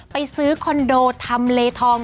ไปซื้อคอนโดทำเลทอง